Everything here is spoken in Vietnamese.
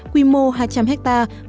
quy mô hai trăm linh hectare